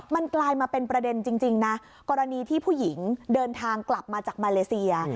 มันกลายมาเป็นประเด็นจริงนะกรณีที่ผู้หญิงเดินทางกลับมาจากมาเลเซีย